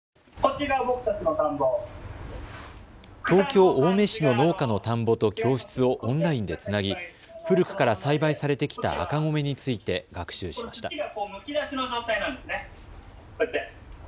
東京青梅市の農家の田んぼと教室をオンラインでつなぎ古くから栽培されてきた赤米について学習しました。